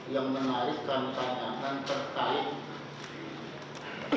yang menarikkan pertanyaan terkait